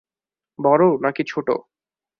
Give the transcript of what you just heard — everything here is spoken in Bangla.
বড় নাকি ছোট?